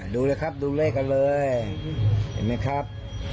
ดูเลยครับดูเลขกันเลยเห็นไหมครับ